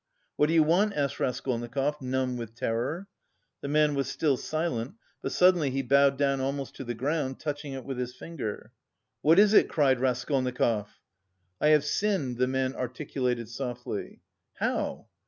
"What do you want?" asked Raskolnikov, numb with terror. The man was still silent, but suddenly he bowed down almost to the ground, touching it with his finger. "What is it?" cried Raskolnikov. "I have sinned," the man articulated softly. "How?"